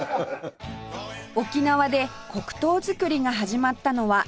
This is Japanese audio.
沖縄で黒糖作りが始まったのは１７世紀